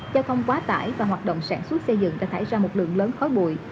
giao thông quá tải và hoạt động sản xuất xây dựng đã thải ra một lượng lớn khói bụi